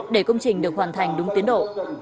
để công trình được hoàn thành đúng tiến độ